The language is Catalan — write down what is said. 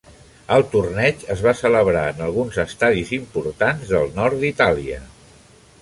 El torneig es va celebrar en alguns estadis importants del nord d'Itàlia.